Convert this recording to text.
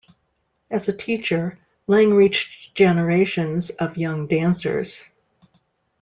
As a teacher, Lang reached generations of young dancers.